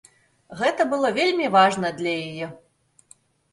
Гэта было вельмі важна для яе.